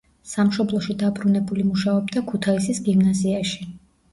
სამშობლოში დაბრუნებული მუშაობდა ქუთაისის გიმნაზიაში.